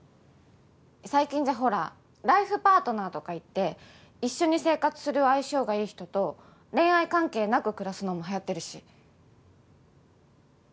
最近じゃほらライフパートナーとかいって一緒に生活する相性がいい人と恋愛関係なく暮らすのもはやってるし。